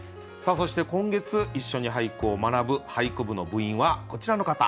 そして今月一緒に俳句を学ぶ俳句部の部員はこちらの方。